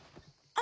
あ！